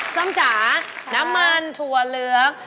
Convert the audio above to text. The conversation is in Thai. ส้มจ๋าน้ำมันถั่วเหลือง